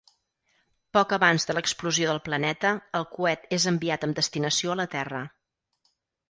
Poc abans de l'explosió del planeta, el coet és enviat amb destinació a la Terra.